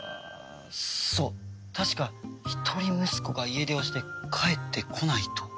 そう確か一人息子が家出をして帰ってこないと。